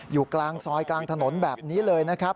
อยู่กลางซอยกลางถนนแบบนี้เลยนะครับ